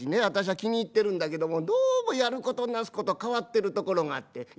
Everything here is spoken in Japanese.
私は気に入ってるんだけどもどうもやることなすこと変わってるところがあって。